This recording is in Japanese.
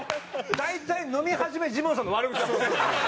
大体飲み始めジモンさんの悪口だもんね。